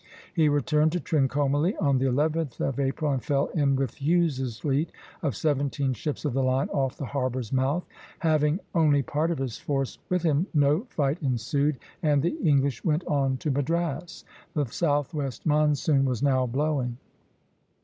He returned to Trincomalee on the 11th of April, and fell in with Hughes's fleet of seventeen ships of the line off the harbor's mouth. Having only part of his force with him, no fight ensued, and the English went on to Madras. The southwest monsoon was now blowing.